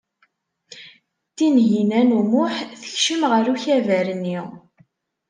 Tinhinan u Muḥ tekcem ɣer ukabar-nni.